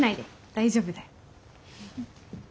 大丈夫だよ。